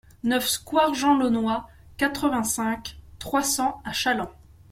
neuf square Jean Launois, quatre-vingt-cinq, trois cents à Challans